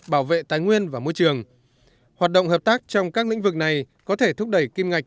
bảo vệ tài nguyên và môi trường hoạt động hợp tác trong các lĩnh vực này có thể thúc đẩy kim ngạch